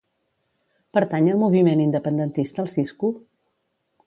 Pertany al moviment independentista el Siscu?